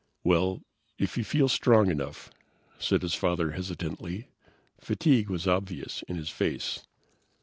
"Well, if you feel strong enough," said his father hesitantly. Fatigue was obvious in his face.